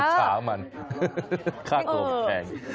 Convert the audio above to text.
ขามันค่าตัวมันแพง